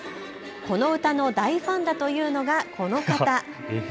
この歌の大ファンだというのがこの方。